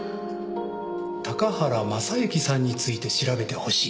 高原雅之さんについて調べてほしい。